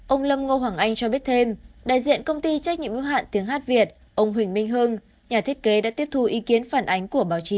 ông lâm ngô hoàng anh cho biết thêm đại diện công ty trách nhiệm ưu hạn tiếng hát việt ông huỳnh minh hưng nhà thiết kế đã tiếp thu ý kiến phản ánh của báo chí